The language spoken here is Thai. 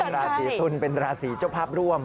ราศีตุลเป็นราศีเจ้าภาพร่วม